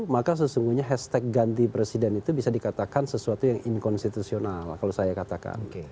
maka sesungguhnya hashtag ganti presiden itu bisa dikatakan sesuatu yang inkonstitusional kalau saya katakan